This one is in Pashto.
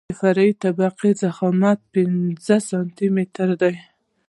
د فرعي طبقې ضخامت پنځلس سانتي متره دی